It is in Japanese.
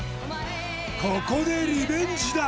ここでリベンジだ。